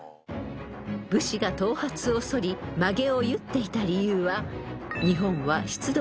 ［武士が頭髪をそりまげを結っていた理由は］